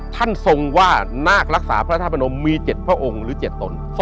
ทรงว่านาครักษาพระธาตุพนมมี๗พระองค์หรือ๗ตน